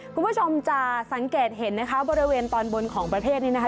คุณผู้ชมจะสังเกตเห็นนะคะบริเวณตอนบนของประเทศนี้นะคะ